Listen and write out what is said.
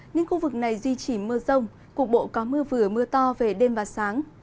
nhưng khu vực này duy trì mưa rông cục bộ có mưa vừa mưa to về đêm và sáng